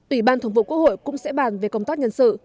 ủy ban thường vụ quốc hội cũng sẽ bàn về công tác nhân sự